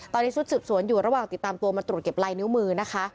ตอนนี้ชุดสืบสวนอยู่ระหว่างติดตามตัวมาตรวจเก็บลายนิ้วมือนะคะ